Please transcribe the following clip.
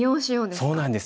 そうなんです。